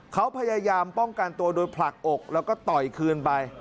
เขาพยายามป้องกันตัวโดยผลักอกแล้วก็ต่อยคืนไป